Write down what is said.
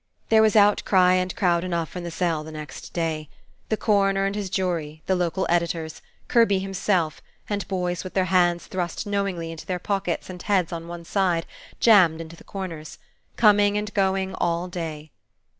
There was outcry and crowd enough in the cell the next day. The coroner and his jury, the local editors, Kirby himself, and boys with their hands thrust knowingly into their pockets and heads on one side, jammed into the corners. Coming and going all day.